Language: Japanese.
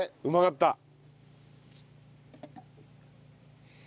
うまかった。